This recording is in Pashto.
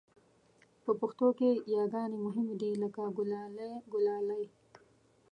په پښتو کې یاګانې مهمې دي لکه ګلالی او ګلالۍ